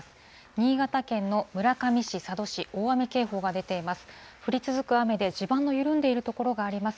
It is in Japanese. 新潟県の村上市、佐渡市、大雨警報が出ています。